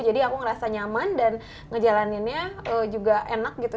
jadi aku ngerasa nyaman dan ngejalaninnya juga enak gitu